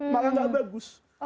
malah enggak bagus